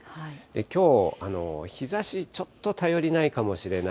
きょう、日ざし、ちょっと頼りないかもしれない。